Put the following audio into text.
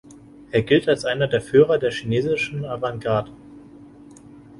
Er gilt als einer der Führer der chinesischen Avantgarde.